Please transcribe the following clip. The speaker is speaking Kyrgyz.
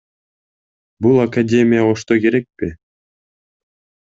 Бул академия Ошто керекпи?